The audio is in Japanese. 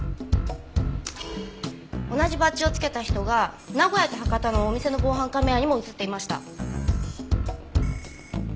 同じバッジを着けた人が名古屋と博多のお店の防犯カメラにも映っていました。